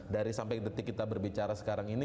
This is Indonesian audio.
dari sampai detik kita berbicara sekarang ini